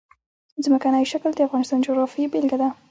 ځمکنی شکل د افغانستان د جغرافیې بېلګه ده.